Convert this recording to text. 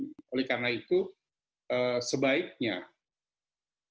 nah disitu biasanya terjadi endemis atau outbreak virus influenza ini